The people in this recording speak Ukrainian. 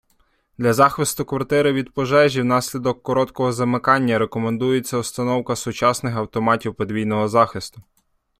Для захисту квартири від пожежі внаслідок короткого замикання рекомендується установка сучасних автоматів подвійного захисту